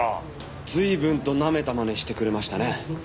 随分となめた真似してくれましたね。